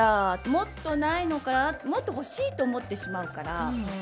もっとないのかな？とかもっと欲しいと思ってしまうから。